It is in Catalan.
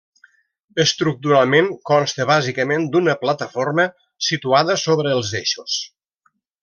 Estructuralment consta bàsicament d'una plataforma situada sobre els eixos.